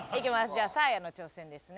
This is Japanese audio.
じゃあサーヤの挑戦ですね。